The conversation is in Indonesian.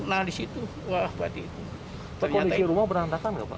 kondisi rumah berantakan nggak pak